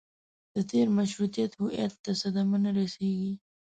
د تېر مشروطیت هویت ته صدمه نه رسېږي.